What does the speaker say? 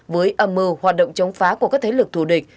với âm mưu hoạt động chống phá của các thế lực thù địch